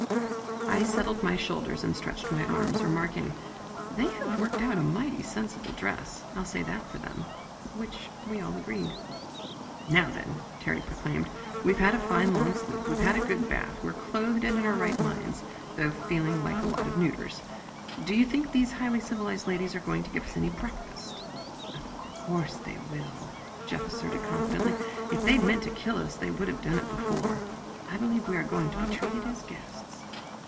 I settled my shoulders and stretched my arms, remarking: "They have worked out a mighty sensible dress, I'll say that for them." With which we all agreed. "Now then," Terry proclaimed, "we've had a fine long sleep we've had a good bath we're clothed and in our right minds, though feeling like a lot of neuters. Do you think these highly civilized ladies are going to give us any breakfast?" "Of course they will," Jeff asserted confidently. "If they had meant to kill us, they would have done it before. I believe we are going to be treated as guests."